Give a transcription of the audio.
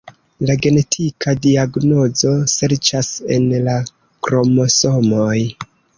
La genetika diagnozo serĉas en la kromosomoj.